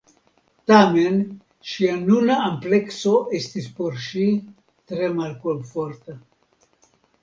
Tamen ŝia nuna amplekso estis por ŝi tre malkomforta.